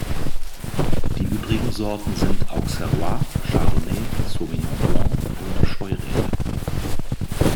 Die übrigen Sorten sind Auxerrois, Chardonnay, Sauvignon Blanc und Scheurebe.